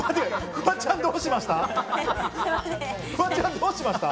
フワちゃん、どうしましたか？